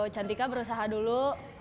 cantika berusaha dulu